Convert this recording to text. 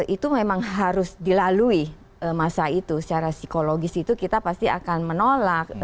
itu memang harus dilalui masa itu secara psikologis itu kita pasti akan menolak